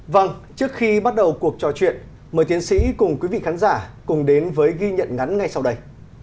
vâng trước khi bắt đầu cuộc trò chuyện mời tiến sĩ cùng quý vị khán giả cùng đến với ghi nhận ngắn ngay sau đây